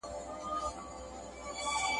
پر لکړه یې دروړمه هدیرې لمن دي نیسه !.